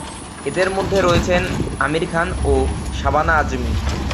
এদের মধ্যে রয়েছেন আমির খান ও শাবানা আজমি।